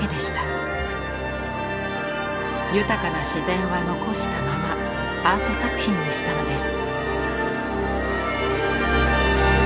豊かな自然は残したままアート作品にしたのです。